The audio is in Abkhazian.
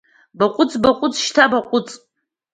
Баҟәыҵ, баҟәыҵ, шьҭа баҟәыҵ!